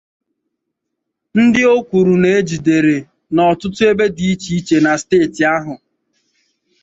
ndị o kwùrù na e jidèrè n'ọtụtụ ebe dị iche iche na steeti ahụ.